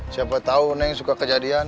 siapa tahu neng suka kejadian